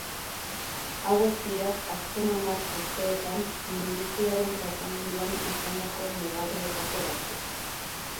Hauek dira azken hamar urteetan minbiziaren tratamenduan izandako mugarrietako batzuk.